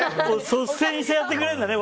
率先してやってくれるんだね。